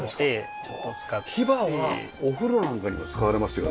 ヒバはお風呂なんかにも使われますよね。